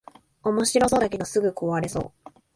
おもしろそうだけどすぐ壊れそう